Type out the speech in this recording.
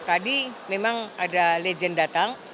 tadi memang ada legend datang